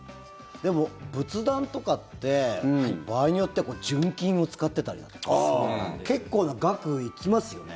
でも、仏壇とかって場合によっては純金を使ってたりだとか結構な額、行きますよね。